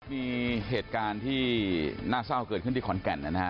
มีเหตุการณ์ที่น่าเศร้าเกิดขึ้นที่ขอนแก่นนะฮะ